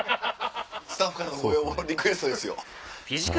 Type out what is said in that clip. スタッフからのリクエストですよ。